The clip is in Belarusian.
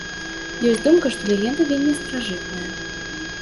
Ёсць думка, што легенда вельмі старажытная.